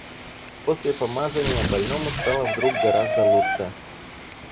После помазания больному стало вдруг гораздо лучше.